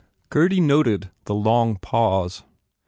Gurdy noted the long pause.